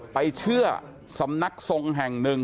ไปเชื่อสำนักทรงแห่งหนึ่ง